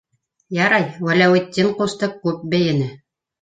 Ярай, Вәләүетдин ҡусты күп бейене!